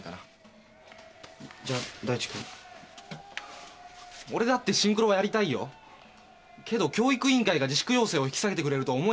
じゃ大地君。俺だってシンクロはやりたいよ。けど教育委員会が自粛要請を引き下げてくれるとは思えないんだ。